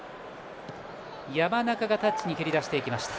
山中がタッチに蹴り出していきました。